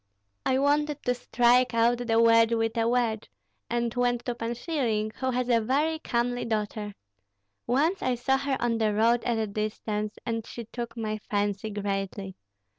I wanted to strike out the wedge with a wedge, and went to Pan Schilling, who has a very comely daughter. Once I saw her on the road at a distance, and she took my fancy greatly.